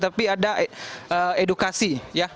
tapi ada edukasi